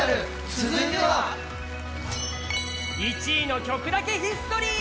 続いては１位の曲だけヒストリー！